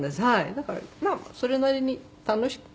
だからまあそれなりに楽しく。